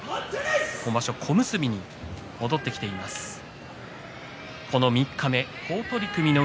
今場所は小結に戻ってきています阿炎。